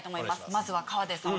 まずは河出さん